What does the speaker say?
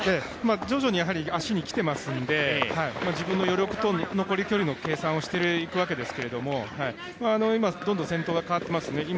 徐々に足にきてますんで、自分の余力と残り距離の計算をしていくわけですけども今、どんどん先頭が変わってますね